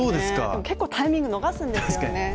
でも結構タイミング逃すんですよね。